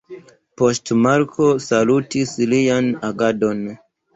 Poŝtmarko salutis lian agadon.